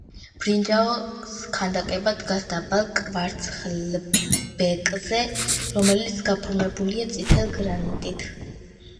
ბრინჯაოს ქანდაკება დგას დაბალ კვარცხლბეკზე, რომელიც გაფორმებულია წითელი გრანიტით.